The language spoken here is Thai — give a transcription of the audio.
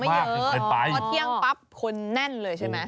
ยังไม่เยอะเพราะเที่ยงปั๊บคนแน่นเลยใช่ไหม